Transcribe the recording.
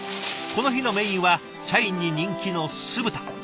この日のメインは社員に人気の酢豚。